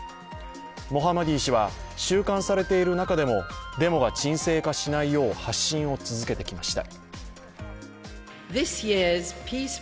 モハマディ氏は、収監されている中でもデモが沈静化しないよう発信し続けてきました。